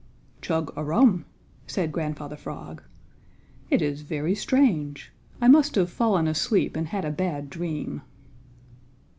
"Chug a rum!" said Grandfather Frog. "It is very strange. I must have fallen asleep and had a bad dream."